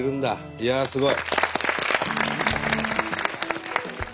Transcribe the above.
いやあすごい！